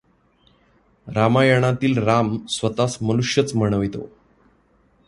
रामायणातील राम स्वतःस मनुष्यच म्हणवितो.